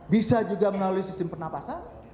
bisa juga melalui sistem pernapasan